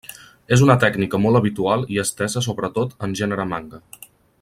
És una tècnica molt habitual i estesa sobretot en gènere manga.